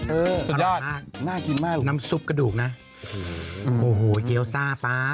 สุดยอดน่ากินมากน้ำซุปกระดูกนะโอ้โหเกี้ยวซ่าป๊า